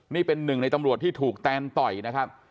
นี่เป็นหนึ่งในตำรวจที่ถูกแตนต่อยนะครับ